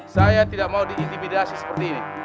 saya tidak mau diintimidasi seperti ini